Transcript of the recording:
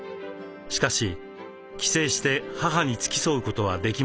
しかし帰省して母に付き添うことはできませんでした。